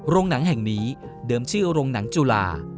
หนังแห่งนี้เดิมชื่อโรงหนังจุฬา